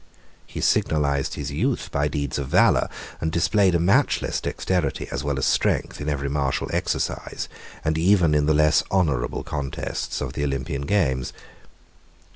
He signalized his youth by deeds of valor, and displayed a matchless dexterity, as well as strength, in every martial exercise, and even in the less honorable contests of the Olympian games.